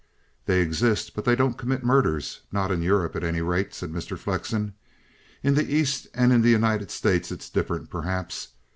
"They exist; but they don't commit murders not in Europe, at any rate," said Mr. Flexen. "In the East and in the United States it's different perhaps.